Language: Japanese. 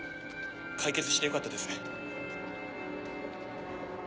解決してよかったです。